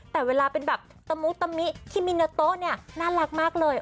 แต่เวลาเป็นแบบตะมุตะมิที่มิเนอร์โต๊ะเนี่ยน่ารักมากเลย